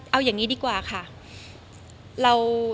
เอาอย่างนี้ดีกว่าค่ะ